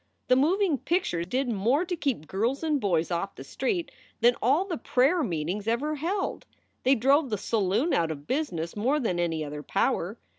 The moving picture did more to keep girls and boys off the streets than all the prayer meetings ever held. They drove the saloon out of business more than any other power.